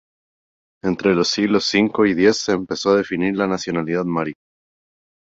Entre los siglos V y X se empezó a definir la nacionalidad mari.